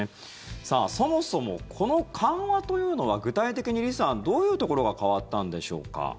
そもそも、この緩和というのは具体的に、リさんどういうところが変わったんでしょうか。